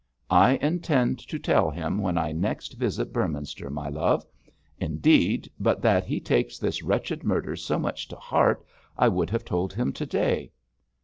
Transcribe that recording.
'I intend to tell him when I next visit Beorminster, my love. Indeed, but that he takes this wretched murder so much to heart I would have told him to day.